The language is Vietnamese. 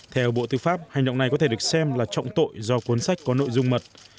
theo bộ tư pháp hành động này có thể được xem là trọng tội do cuốn sách có nội dung mật